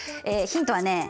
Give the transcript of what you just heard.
ヒントはね